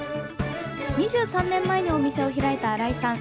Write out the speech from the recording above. ２３年前にお店を開いた荒井さん。